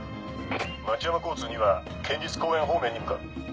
町山交通２は県立公園方面に向かう。